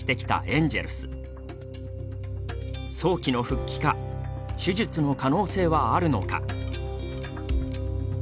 早期の復帰か手術の可能性はあるのか。